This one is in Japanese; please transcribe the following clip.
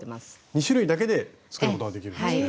２種類だけで作ることができるんですね。